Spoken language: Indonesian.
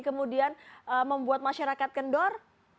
kemudian membuat masyarakat kendor